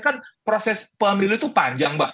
kan proses pemilu itu panjang mbak